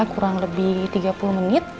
kurang lebih tiga puluh menit